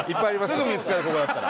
すぐ見つかるここだったら。